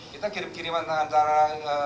kita kiriman antara